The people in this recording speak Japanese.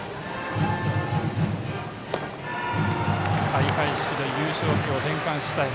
開会式で優勝旗を返還したい。